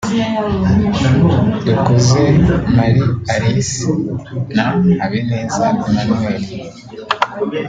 Dukuze Marie Alice na Habineza Emmanuel